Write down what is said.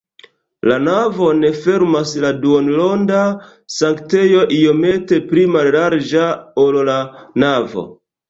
La navon fermas la duonronda sanktejo iomete pli mallarĝa, ol la navo.